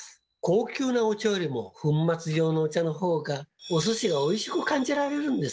高級なお茶よりも粉末状のお茶のほうがお寿司がおいしく感じられるんですよ。